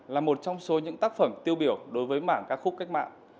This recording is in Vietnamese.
là một trong số những tác phẩm tiêu biểu đối với mảng ca khúc cách mạng